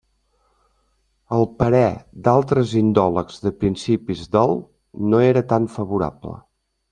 El parer d'altres indòlegs de principis del no era tan favorable.